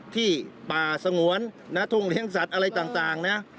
ที่ป่าสงวนทุ่งเลี้ยงสัตว์อะไรต่างนะ